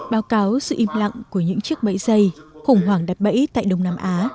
báo cáo sự im lặng của những chiếc bẫy dây khủng hoảng đặt bẫy tại đông nam á